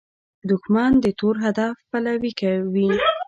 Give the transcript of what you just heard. دښمن د تور هدف پلوي وي